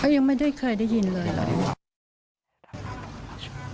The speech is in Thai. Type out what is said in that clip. ยังไม่ได้เคยได้ยินเลย